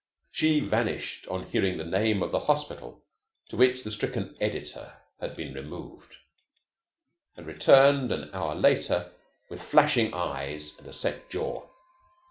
She vanished on hearing the name of the hospital to which the stricken editor had been removed, and returned an hour later with flashing eyes and a set jaw.